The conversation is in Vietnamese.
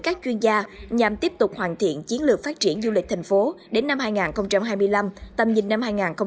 các chuyên gia nhằm tiếp tục hoàn thiện chiến lược phát triển du lịch thành phố đến năm hai nghìn hai mươi năm tầm nhìn năm hai nghìn ba mươi